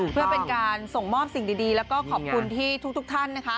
เพื่อเป็นการส่งมอบสิ่งดีแล้วก็ขอบคุณที่ทุกท่านนะคะ